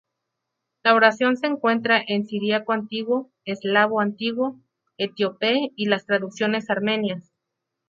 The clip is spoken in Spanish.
La oración se encuentra en Siríaco Antiguo, Eslavo Antiguo, Etíope y las traducciones Armenias.